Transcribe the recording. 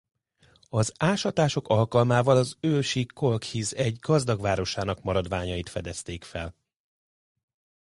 Az ásatások alkalmával az ősi Kolkhisz egy gazdag városának maradványait fedezték fel.